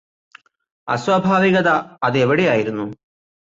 അസ്വാഭാവികത അത് എവിടെയായിരുന്നു